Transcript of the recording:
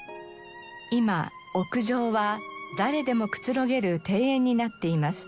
今屋上は誰でもくつろげる庭園になっています。